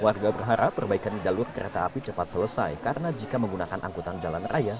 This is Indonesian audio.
warga berharap perbaikan di jalur kereta api cepat selesai karena jika menggunakan angkutan jalan raya